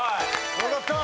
よかった。